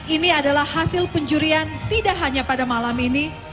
ini adalah hasil penjurian tidak hanya pada malam ini